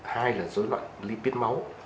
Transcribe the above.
hai là dối loạn lipid máu